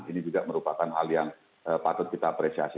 ini juga merupakan hal yang patut kita apresiasi